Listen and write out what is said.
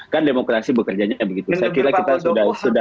kan demokrasi bekerjanya begitu saya kira kita sudah